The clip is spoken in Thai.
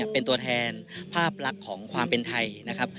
เป็นตัวแทนภาพลักษณ์ของความเป็นไทยนะครับ